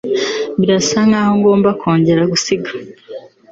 Birasa nkaho ngomba kongera gusiga